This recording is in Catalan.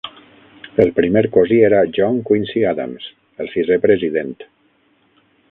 El primer cosí era John Quincy Adams, el sisè president.